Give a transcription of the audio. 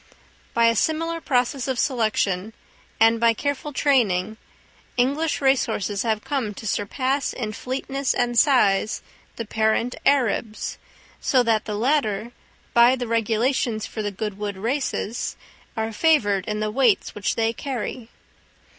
By a similar process of selection, and by careful training, English race horses have come to surpass in fleetness and size the parent Arabs, so that the latter, by the regulations for the Goodwood Races, are favoured in the weights which they carry.